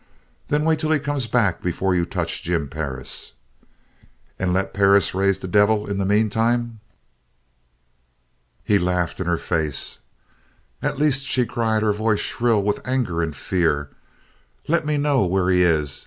"Then wait till he comes back before you touch Jim Perris." "And let Perris raise the devil in the meantime?" He laughed in her face. "At least," she cried, her voice shrill with anger and fear, "let me know where he is.